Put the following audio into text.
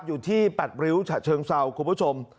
อยู่ที่๘ริ้วฉะเชิงเศร้าคุณผู้ชม